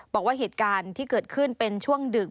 บอกว่าเหตุการณ์ที่เกิดขึ้นเป็นช่วงดึก